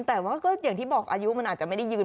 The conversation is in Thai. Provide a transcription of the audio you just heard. แต่ว่าก็อย่างที่บอกอายุมันอาจจะไม่ได้ยืน